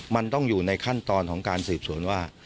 มันต้องอยู่ในขั้นตอนของการสืบสวนว่า